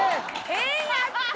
変やって！